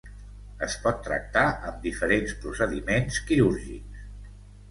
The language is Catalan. Es pot tractar amb diferents procediments quirúrgics.